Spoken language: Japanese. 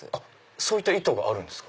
そういった糸があるんですか。